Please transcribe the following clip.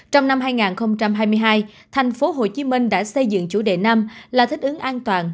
trong năm hai nghìn hai mươi hai thành phố hồ chí minh đã xây dựng chủ đề năm là thích ứng an toàn